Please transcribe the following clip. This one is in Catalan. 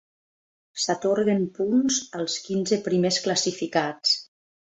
S'atorguen punts als quinze primers classificats.